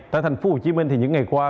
tại tp hcm những ngày qua